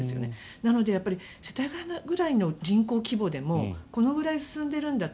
なので、世田谷ぐらいの人口規模でもこのくらい進んでいるんだと。